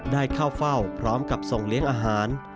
ได้เข้าเฝ้าพร้อมกับส่งเลี้ยงอาหาร